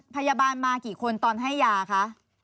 พยาบาลมากี่คนตอนให้ยาคะ